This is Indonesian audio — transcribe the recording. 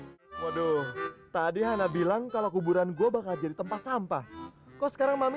hai hai hai waduh tadi hana bilang kalau kuburan gua bakal jadi tempat sampah kok sekarang mami